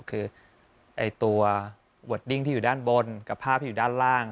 คือตัวเวอร์ดดิ้งที่อยู่ด้านบนกับภาพที่อยู่ด้านล่าง